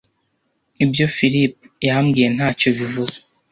Ibyo Philip yambwiye ntacyo bivuze.